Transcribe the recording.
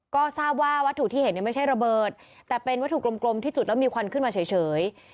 ก็ทราบว่าวัตถุที่เห็นไม่ใช่ระเบิดแต่เป็นวัตถุกลมที่จุดแล้วมีควันขึ้นมาเฉย